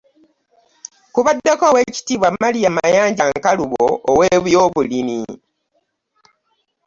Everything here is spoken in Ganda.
Kubaddeko Oweekitiibwa Mariam Mayanja Nkalubo ow'ebyobulimi